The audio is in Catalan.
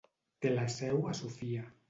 Té la seu a Sofia.